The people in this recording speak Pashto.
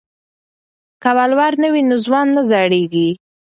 که ولور نه وي نو ځوان نه زړیږي.